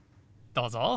どうぞ。